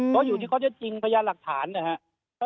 เพราะอยู่ที่เขาจะจริงพยาหลักฐานนะฮะ